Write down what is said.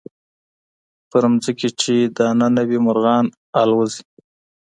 پر مځکي چي دانه نه وي مرغان البوځي.